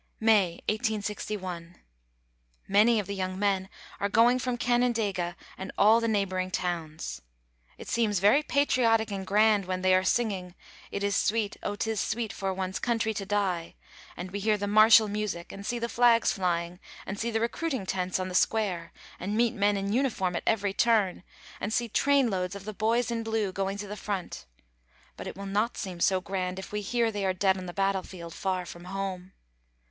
May, 1861. Many of the young men are going from Canandaigua and all the neighboring towns. It seems very patriotic and grand when they are singing, "It is sweet, Oh, 'tis sweet, for one's country to die," and we hear the martial music and see the flags flying and see the recruiting tents on the square and meet men in uniform at every turn and see train loads of the boys in blue going to the front, but it will not seem so grand if we hear they are dead on the battlefield, far from home.